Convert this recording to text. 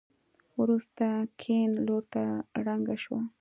وروسته کيڼ لورته ړنګه شوه.